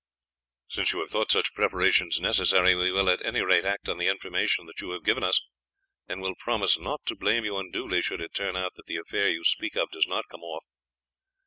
"Since you have thought such preparations necessary we will at any rate act on the information that you have given us, and will promise not to blame you unduly should it turn out that the affair you speak of does not come off.